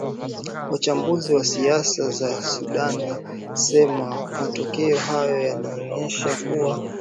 wachambuzi wa siasa za sudan wasema matokeo hayo yanaonesha kuwa